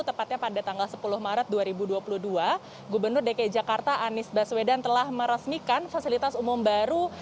tepatnya pada tanggal sepuluh maret dua ribu dua puluh dua gubernur dki jakarta anies baswedan telah meresmikan fasilitas umum baru